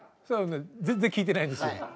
そういうの全然聞いてないんですよ。